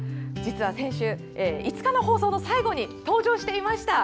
先週５日の放送の最後に登場していました。